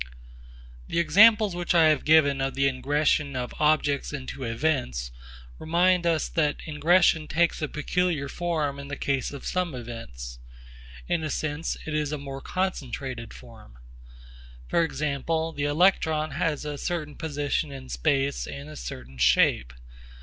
The examples which I have given of the ingression of objects into events remind us that ingression takes a peculiar form in the case of some events; in a sense, it is a more concentrated form. For example, the electron has a certain position in space and a certain shape.